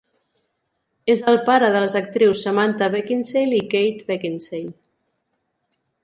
És el pare de les actrius Samantha Beckinsale i Kate Beckinsale.